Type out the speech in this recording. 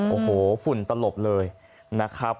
โอ้โหฝุ่นตลบเลยนะครับ